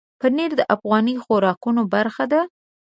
پنېر د افغاني خوراکونو برخه ده.